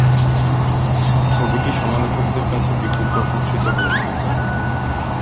ছবিটি সমালোচকদের কাছে বিপুল প্রশংসিত হয়েছে।